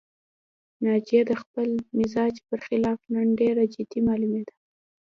ناجیه د خپل مزاج پر خلاف نن ډېره جدي معلومېده